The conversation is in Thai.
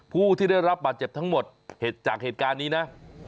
ผู้ที่ได้รับบาดเจ็บทั้งหมดจากเหตุการณ์นี้นะ